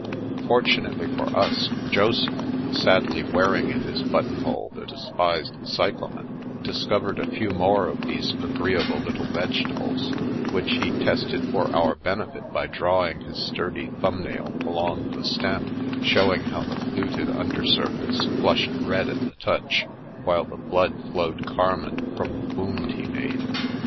Fortunately for us, Joseph — sadly wearing in his buttonhole the despised cyclamen — discovered a few more of these agreeable little vegetables, which he tested for our benefit by drawing his sturdy thumb nail along the stem, showing how the fluted under surface flushed red at the touch, while the blood flowed carmine from the wound he made.